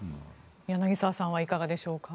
柳澤さんはいかがでしょうか？